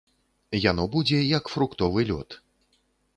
Яно будзе, як фруктовы лёд.